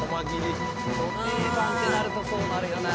ど定番ってなるとそうなるよな。